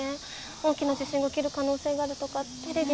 大きな地震が起きる可能性があるとかテレビで言ってたけど。